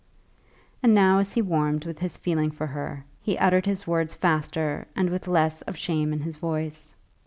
And now as he warmed with his feeling for her, he uttered his words faster and with less of shame in his voice.